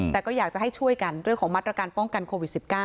แต่ก็อยากจะให้ช่วยกันเรื่องของมาตรการป้องกันโควิด๑๙